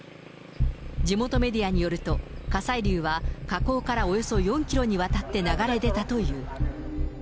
地元メディアによると、火砕流は火口からおよそ４キロにわたって流れ出たという。